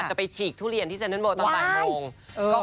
จะไปฉีกทุเรียนในเซ็นเติ้ลโบ้ตอนปลายโมง